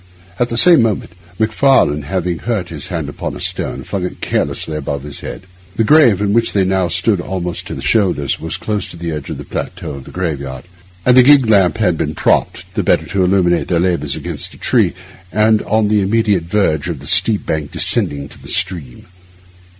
At the same moment Macfarlane, having hurt his hand upon a stone, flung it carelessly above his head. The grave, in which they now stood almost to the shoulders, was close to the edge of the plateau of the graveyard; and the gig lamp had been propped, the better to illuminate their labours, against a tree, and on the immediate verge of the steep bank descending to the stream.